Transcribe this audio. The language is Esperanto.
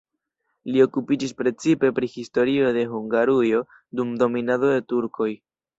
Li okupiĝis precipe pri historio de Hungarujo dum dominado de turkoj.